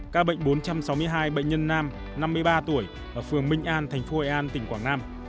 ca bệnh bốn trăm sáu mươi hai bệnh nhân nam năm mươi ba tuổi ở phường minh an tp hội an tỉnh quảng nam